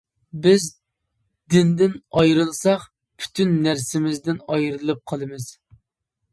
بىز دىندىن ئايرىلساق، پۈتۈن نەرسىمىزدىن ئايرىلىپ قالىمىز.